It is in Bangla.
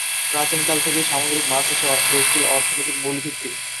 প্রাচীনকাল থেকেই সামুদ্রিক মাছ হচ্ছে দেশটির অর্থনীতির মূল ভিত্তি।